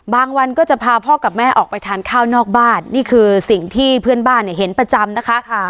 วันก็จะพาพ่อกับแม่ออกไปทานข้าวนอกบ้านนี่คือสิ่งที่เพื่อนบ้านเนี่ยเห็นประจำนะคะ